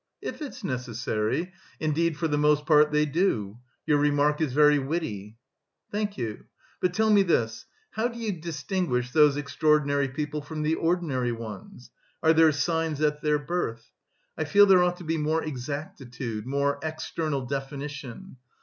"If it's necessary; indeed, for the most part they do. Your remark is very witty." "Thank you. But tell me this: how do you distinguish those extraordinary people from the ordinary ones? Are there signs at their birth? I feel there ought to be more exactitude, more external definition.